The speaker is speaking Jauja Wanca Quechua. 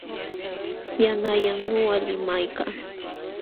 Yanqallam nuqa limaykaa.